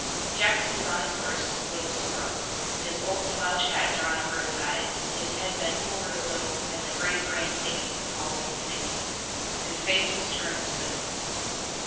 Jackson was on his horse, Little Sorrel, his old slouch hat drawn down over his eyes, his head bent forward a little, and the great brain thinking, always thinking. His face was turned to the North.